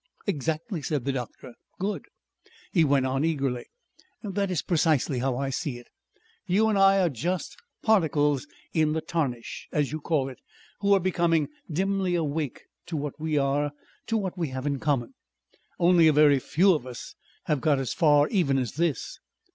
"Exactly," said the doctor. "Good." He went on eagerly. "That is precisely how I see it. You and I are just particles in the tarnish, as you call it, who are becoming dimly awake to what we are, to what we have in common. Only a very few of us have got as far even as this.